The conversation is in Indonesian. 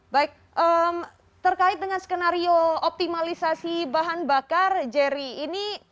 baik terkait dengan skenario optimalisasi bahan bakar jerry ini